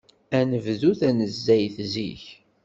Ad nebdu tanezzayt zik.